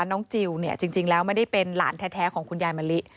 จิลเนี่ยจริงแล้วไม่ได้เป็นหลานแท้ของคุณยายมะลิ